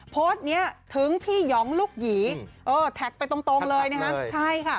โพสต์นี้ถึงพี่หยองลูกหยีแท็กไปตรงเลย